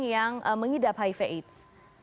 yang mengidap hiv aids